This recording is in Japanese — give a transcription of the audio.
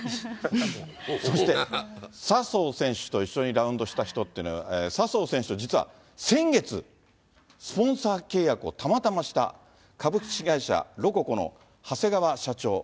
そして笹生選手と一緒にラウンドした人というのは、笹生選手と実は先月、スポンサー契約をたまたました、株式会社ロココの長谷川社長。